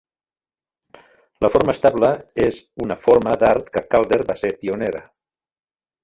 La forma estable és una forma d'art que Calder va ser pionera.